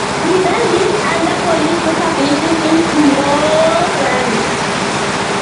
He then lived under police supervision in Smolensk.